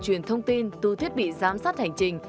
truyền thông tin từ thiết bị giám sát hành trình